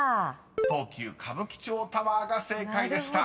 ［「東急歌舞伎町タワー」が正解でした］